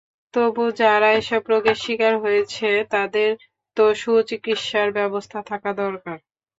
তবু যারা এসব রোগের শিকার হয়েছে, তাদের তো সুচিকিৎসার ব্যবস্থা থাকা দরকার।